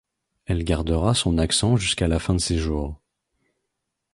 Elle gardera son accent jusqu'à la fin de ses jours.